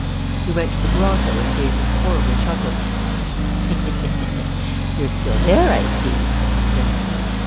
He went to the grotto and gave his horrible chuckle: "You're still there, I see," he said.